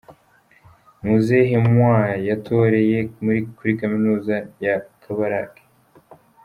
Muzehe Moi yatoreye kuri kaminuza ya Kabarak.